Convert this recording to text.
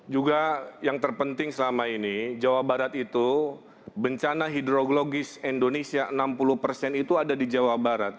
juga yang terpenting selama ini jawa barat itu bencana hidrologis indonesia enam puluh persen itu ada di jawa barat